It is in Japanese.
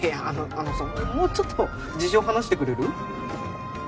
あのあのさもうちょっと事情話してくれる？